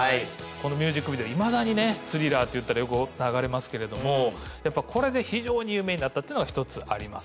このミュージックビデオいまだにね「スリラー」っていったらよく流れますけれどもやっぱこれで非常に有名になったというのが一つあります。